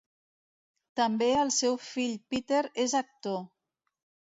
També el seu fill Peter és actor.